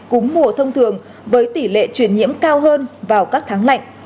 cúm mùa thông thường với tỷ lệ truyền nhiễm cao hơn vào các tháng lạnh